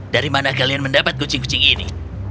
dari mana kalian mendapat kucing kucing ini